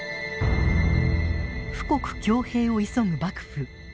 富国強兵を急ぐ幕府。